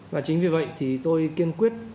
và chính vì vậy thì tôi kiên quyết